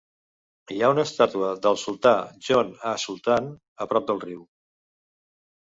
Hi ha una estàtua del sultà John a Sultan, a prop del riu.